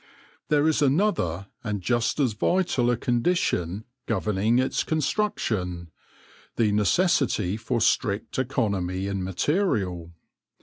There is another, and just as vital a condition governing its construction — the necessity for strict economy in material.